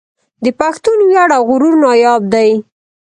د پښتون وياړ او غرور ناياب دی